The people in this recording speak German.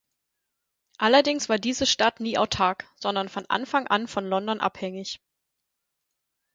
Allerdings war diese Stadt nie autark, sondern von Anfang an von London abhängig.